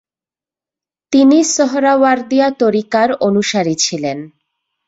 তিনি সোহরাওয়ার্দিয়া ত্বরিকার অনুসারী ছিলেন।